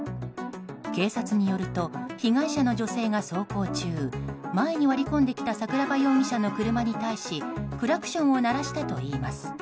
警察によると被害者の女性が走行中前に割り込んできた桜庭容疑者の車に対しクラクションを鳴らしたといいます。